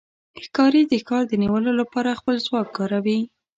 ښکاري د ښکار د نیولو لپاره خپل ځواک کاروي.